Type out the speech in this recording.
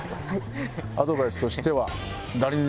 アドバイスとしては。